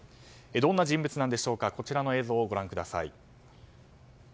どんな人物なんでしょうかこちらの映像をご覧ください。